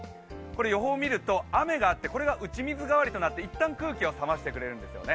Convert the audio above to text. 予報を見ると雨があって、これが打ち水代わりになって、一旦空気を冷ましてくれるんです。